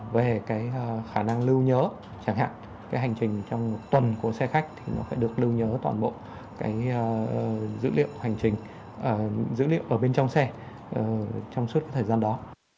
về khả năng lưu nhớ chẳng hạn hành trình trong tuần của xe khách thì nó phải được lưu nhớ toàn bộ dữ liệu hành trình dữ liệu ở bên trong xe trong suốt thời gian đó